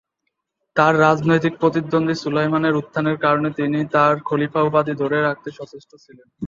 তার রাজনৈতিক প্রতিদ্বন্দ্বী সুলাইমানের উত্থানের কারণে তিনি তার খলিফা উপাধি ধরে রাখতে সচেষ্ট ছিলেন।